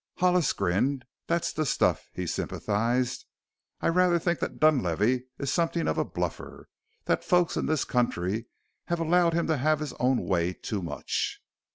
Hollis grinned. "That's the stuff!" he sympathized. "I rather think that Dunlavey is something of a bluffer that folks in this country have allowed him to have his own way too much."